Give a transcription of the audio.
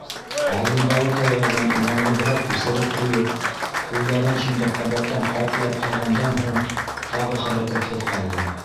Алдындағы таяғын уңайлабыраҡ күсереп ҡуйып, ҡулдарын шунда ҡабаттан ҡатлап һалғандан һуң тағы хәрәкәтһеҙ ҡалды.